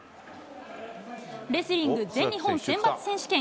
レスリング全日本選抜選手権。